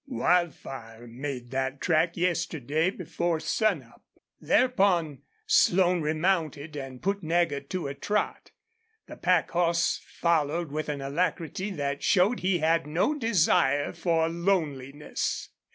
"Wildfire made that track yesterday, before sun up." Thereupon Slone remounted and put Nagger to a trot. The pack horse followed with an alacrity that showed he had no desire for loneliness.